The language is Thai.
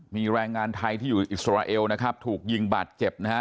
มีแรงงานไทยที่อยู่อิสราเอลนะครับถูกยิงบาดเจ็บนะฮะ